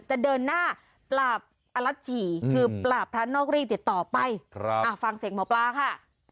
จะเดินหน้าปราบอลัชชีคือปราบพระนอกรีดติดต่อไปฟังเสียงหมอปลาค่ะ